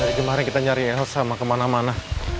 dari kemarin kita nyari elsa kemana mana